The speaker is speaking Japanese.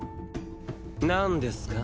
何ですか？